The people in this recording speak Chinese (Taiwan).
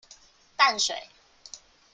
淡水